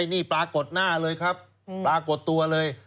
ไอ้นี่ปลากดหน้าเลยครับปลากดตัวเลย